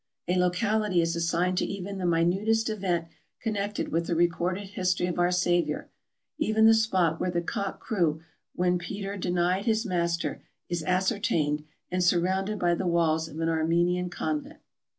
A locality is assigned to even the minutest event connected with the recorded history of our Saviour; even the spot where the cock crew when Peter denied his Master is ascertained and surrounded by the walls of an Armenian convent.